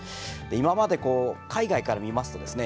今まで海外から見ますとですね